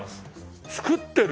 作ってる！？